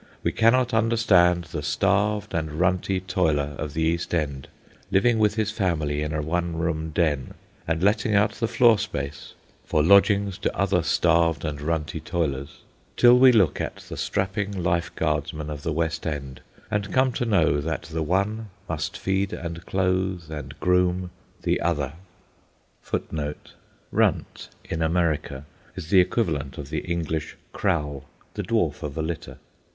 We cannot understand the starved and runty toiler of the East End (living with his family in a one room den, and letting out the floor space for lodgings to other starved and runty toilers) till we look at the strapping Life Guardsmen of the West End, and come to know that the one must feed and clothe and groom the other. "Runt" in America is the equivalent of the English "crowl," the dwarf of a litter.